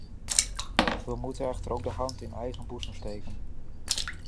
We moeten echter ook de hand in eigen boezem steken.